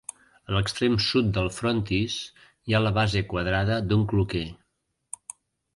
A l'extrem sud del frontis hi ha la base quadrada un cloquer.